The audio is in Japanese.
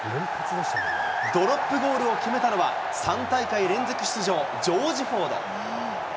ドロップゴールを決めたのは、３大会連続出場、ジョージ・フォード。